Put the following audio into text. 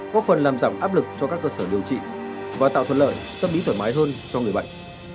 có phần làm giảm áp lực cho các cơ sở điều trị và tạo thuận lợi tâm lý thoải mái hơn cho người bệnh